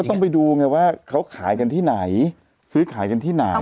ต้องไปดูไงว่าเขาขายกันที่ไหนซื้อขายกันที่ไหน